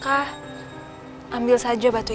kau tidak bisa mencoba